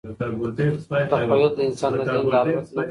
تخیل د انسان د ذهن د الوت نوم دئ.